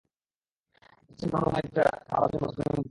তাঁর পিতা ছিলেন বনু নুমাইর গোত্রের আর মাতা ছিলেন বনু তামীম গোত্রের।